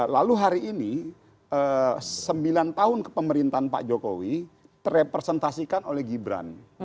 lalu hari ini sembilan tahun kepemerintahan pak jokowi terrepresentasikan oleh gibran